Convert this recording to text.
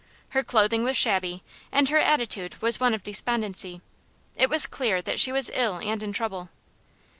Her clothing was shabby, and her attitude was one of despondency. It was clear that she was ill and in trouble.